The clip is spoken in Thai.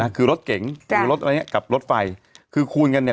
นะคือรถเก๋งคือรถอะไรเนี้ยกับรถไฟคือคูณกันเนี้ย